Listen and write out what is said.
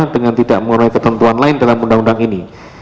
dengan tidak menggunakan ketentuan lain dalam undang undang ini